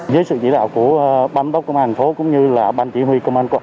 với sự chỉ đạo của ban bắc công an hành phố